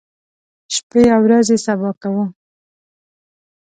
شپې او ورځې سبا کوو.